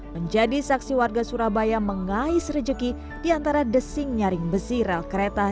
menjadi saksi warga surabaya mengais rejeki di antara desing nyaring besi rel kereta